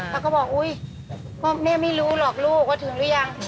แล้วก็บอกอุ๊ยพ่อแม่ไม่รู้หรอกลูกว่าถึงหรือยัง